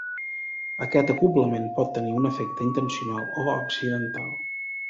Aquest acoblament por tenir un efecte intencional o accidental.